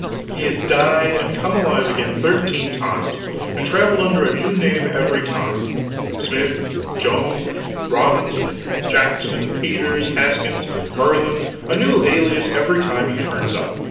He has died and come alive again thirteen times, and traveled under a new name every time: Smith, Jones, Robinson, Jackson, Peters, Haskins, Merlin a new alias every time he turns up.